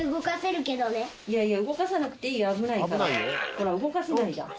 ほら動かせないじゃん。